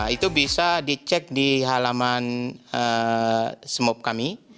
itu bisa dicek di halaman smop kami